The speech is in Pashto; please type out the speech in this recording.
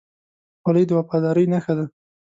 خولۍ د وفادارۍ نښه ده.